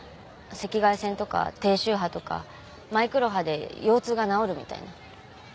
赤外線とか低周波とかマイクロ波で腰痛が治るみたいな。